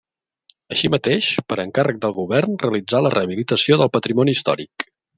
Així mateix, per encàrrec del govern realitza la rehabilitació del patrimoni històric.